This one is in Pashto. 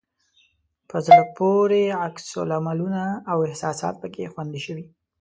په زړه پورې عکس العملونه او احساسات پکې خوندي شوي.